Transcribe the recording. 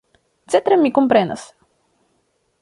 Cetere mi komprenas!